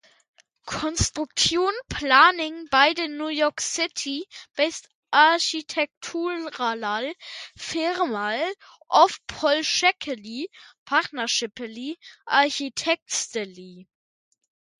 Construction planning by the New York City-based architectural firm of Polshek Partnership Architects.